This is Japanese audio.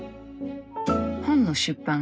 本の出版